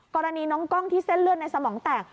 กรณีน้องกล้องที่เส้นเลือดในสมองแตก